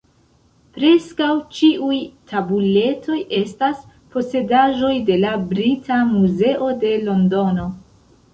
Preskaŭ ĉiuj tabuletoj estas posedaĵoj de la Brita Muzeo de Londono.